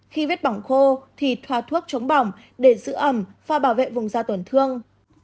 khi viết bỏng khô thì thoa thuốc chống bỏng để giữ ẩm và bảo vệ vùng da tổn thương